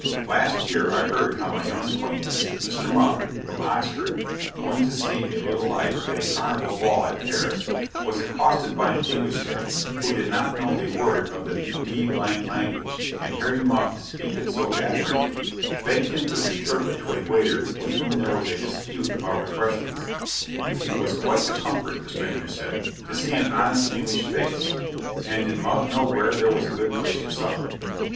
Last year I heard how my young acquaintance, Mr. Muff, from Oxford, going to see a little life at a Carnival ball at Paris, was accosted by an Englishman who did not know a word of the d language, and hearing Muff speak it so admirably, begged him to interpret to a waiter with whom there was a dispute about refreshments. It was quite a comfort, the stranger said, to see an honest English face; and did Muff know where there was a good place for supper?